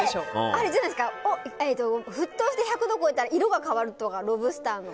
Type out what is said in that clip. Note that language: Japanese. あれじゃないですか沸騰して１００度超えたら色が変わるとかロブスターの。